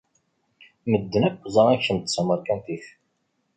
Medden akk ẓran kemm d tameṛkantit.